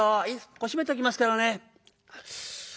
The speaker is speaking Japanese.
ここ閉めときますからね」。